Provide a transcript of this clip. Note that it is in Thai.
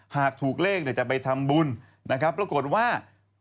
หากถูกเลขจะไปทำบุญนะครับปรากฏว่า